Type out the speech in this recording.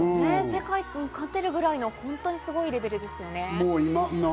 世界に勝てるくらいのすごいレベルですよね。